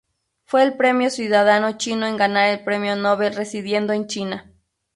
Fue el primer ciudadano chino en ganar el Premio Nobel residiendo en China.